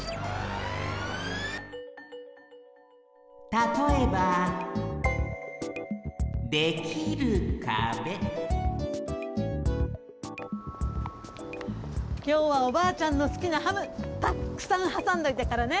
たとえばきょうはおばあちゃんのすきなハムたっくさんはさんどいたからね。